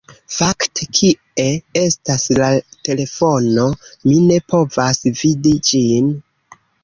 Fakte, kie estas la telefono? Mi ne povas vidi ĝin.